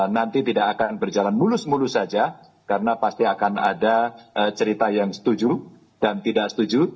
nanti tidak akan berjalan mulus mulus saja karena pasti akan ada cerita yang setuju dan tidak setuju